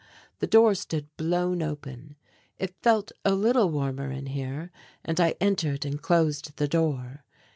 The door stood blown open. It felt a little warmer in here and I entered and closed the door.